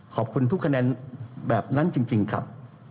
ขอบคุณทุกคะแนนแบบนั้นจริงครับ